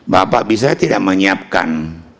bapak bisa tidak menyiapkan